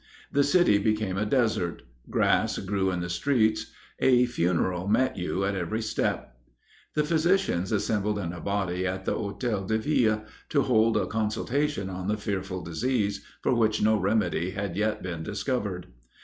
the city became a desert, grass grew in the streets; a funeral met you at every step. The physicians assembled in a body at the Hotel de Ville, to hold a consultation on the fearful disease, for which no remedy had yet been discovered.